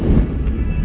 terima kasih om al